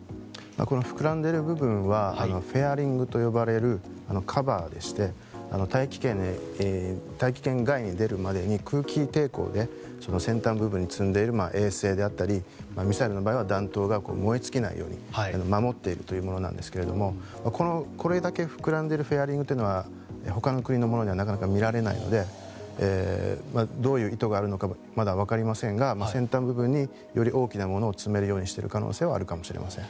この膨らんでいる部分はフェアリングと呼ばれるカバーでして大気圏外に出るまでに空気抵抗で先端部分に積んでいる衛星であったりミサイルの場合は弾頭が燃え尽きないように守っているものなんですがこれだけ膨らんでいるフェアリングというのは他の国のものではなかなか見られないのでどういう意図があるのかまだ分かりませんが先端部分に、より大きなものを積めるようにしている可能性はあるかもしれません。